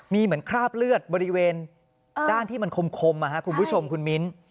มีเหมือนคราบเลือดบริเวณด้านที่มันคมคุณผู้ชมคุณมิ้น